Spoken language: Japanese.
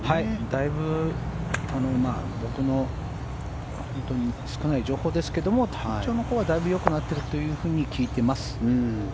だいぶ僕の少ない情報ですけども体長のほうはだいぶよくなっていると聞いています。